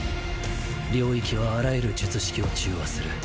領域はあらゆる術式を中和する。